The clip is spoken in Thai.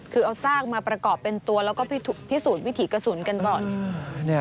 คือเอาซากมาประกอบเป็นตัวแล้วก็พิสูจน์วิถีกระสุนกันก่อน